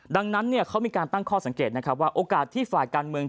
ดังนั้นเขามีการตั้งข้อสังเกตนะครับว่าโอกาสที่ฝ่ายการเมือง